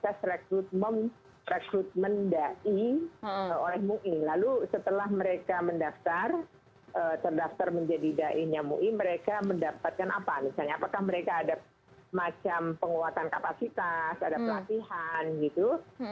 saya sepakat bahwa itulah semacam proses rekrutmen jaih untuk mu'i lalu kemudian mereka mendaftar jadi jaihi mu'i mereka mendapatkan apa misalnya seangat mereka ada penguatan kapasitas ada pelatihan gitu